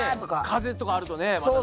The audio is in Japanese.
風とかあるとねまたね。